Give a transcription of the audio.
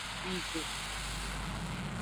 Wive.